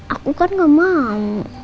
aku kan gak mau